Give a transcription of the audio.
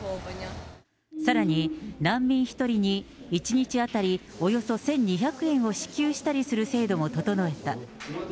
さらに、難民１人に１日当たりおよそ１２００円を支給したりする制度も整えた。